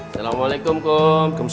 tolong jangan bergantung aja iy alex